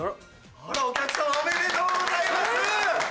お客さまおめでとうございます！